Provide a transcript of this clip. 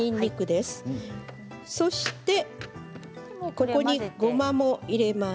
ここに、ごまも入れます。